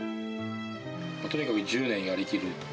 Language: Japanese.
とにかく１０年やりきる。